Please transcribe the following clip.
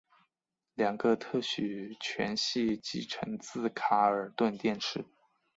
两个特许权系继承自卡尔顿电视。